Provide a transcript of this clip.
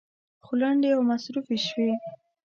خو لنډې او مصروفې شوې.